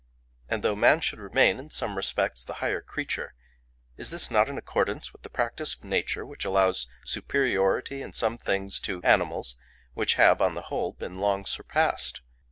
And though man should remain, in some respects, the higher creature, is not this in accordance with the practice of nature, which allows superiority in some things to animals which have, on the whole, been long surpassed?